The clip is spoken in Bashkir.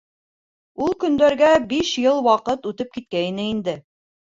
Ул көндәргә биш йыл ваҡыт үтеп киткәйне инде.